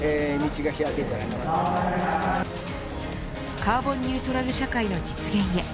カーボンニュートラル社会の実現へ。